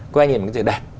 quen nhìn cái gì đẹp